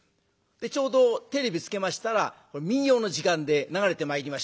ちょうどテレビつけましたら民謡の時間で流れてまいりました。